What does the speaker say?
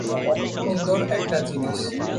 অনেক সুন্দর একটা জিনিস।